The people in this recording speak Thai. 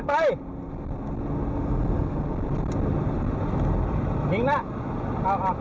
รถหน้ารถหน้ามาครับ